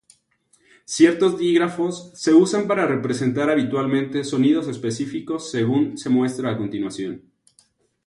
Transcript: Ciertos dígrafos se usan para representar habitualmente sonidos específicos según se muestra a continuación.